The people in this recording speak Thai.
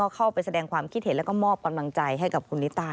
เข้าไปแสดงความคิดเห็นแล้วก็มอบกำลังใจให้กับคุณลิตา